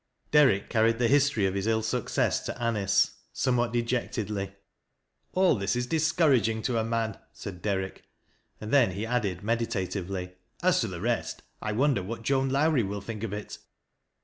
Derrick carried the history of his ill success to Anicc, somewhat dejectedly. " All this is discouraging to a man," said Dei'rick, and then he added meditatively, " As to the rest, I wonder what Joan Lowrie will think of it."